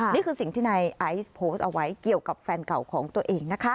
นี่คือสิ่งที่นายไอซ์โพสต์เอาไว้เกี่ยวกับแฟนเก่าของตัวเองนะคะ